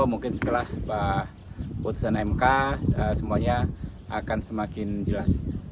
mungkin setelah putusan mk semuanya akan semakin jelas